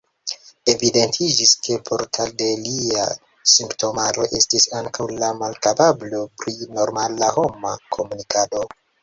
Evidentiĝis, ke parto de lia simptomaro estis ankaŭ la malkapablo pri normala homa komunikado.